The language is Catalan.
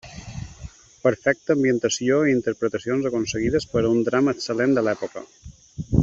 Perfecta ambientació i interpretacions aconseguides per a un drama excel·lent de l'època.